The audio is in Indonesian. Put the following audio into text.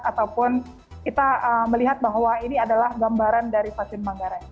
ataupun kita melihat bahwa ini adalah gambaran dari stasiun manggarai